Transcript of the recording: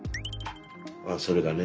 ああそれがね。